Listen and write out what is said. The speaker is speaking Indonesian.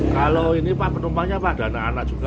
kalau ini pak penumpangnya pak ada anak anak juga